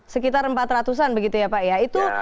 sekitar empat ratus an begitu ya pak ya